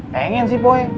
pengen sih boy